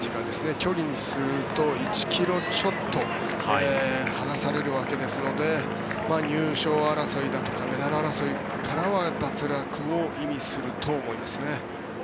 距離にすると１ｋｍちょっと離されるわけですので入賞争いとかメダル争いからは脱落を意味すると思いますね。